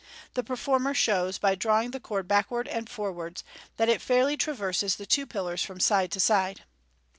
The performer shows, by drawing the cord backwards and forwards, that it fairly traverses the two pillars from side to side.